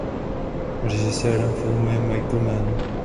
Režisérem filmu je Michael Mann.